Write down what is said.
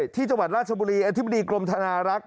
ที่จังหวัดราชบุรีอธิบดีกรมธนารักษ